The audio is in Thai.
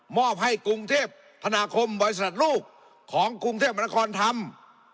อบให้กรุงเทพธนาคมบริษัทลูกของกรุงเทพมนาคอนทำ